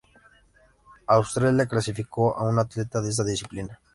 Australia clasificó a un atleta en esta disciplina.